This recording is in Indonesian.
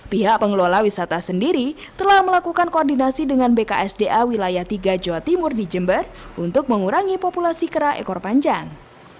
pihak pengelola wisata sendiri telah melakukan koordinasi dengan bksda wilayah tiga jawa timur di jember untuk mengurangi populasi kera ekor panjang